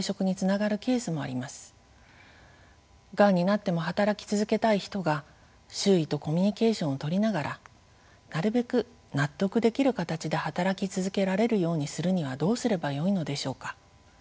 がんになっても働き続けたい人が周囲とコミュニケーションをとりながらなるべく納得できる形で働き続けられるようにするにはどうすればよいのでしょうか。